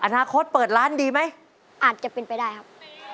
อนาคตเปิดร้านดีไหมอาจจะเป็นไปได้ครับ